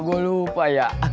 gue lupa ya